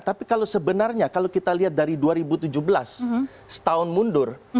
tapi kalau sebenarnya kalau kita lihat dari dua ribu tujuh belas setahun mundur